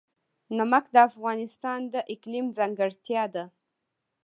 نمک د افغانستان د اقلیم ځانګړتیا ده.